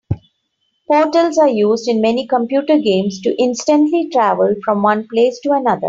Portals are used in many computer games to instantly travel from one place to another.